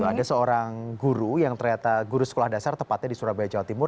ada seorang guru yang ternyata guru sekolah dasar tepatnya di surabaya jawa timur